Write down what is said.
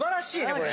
これ。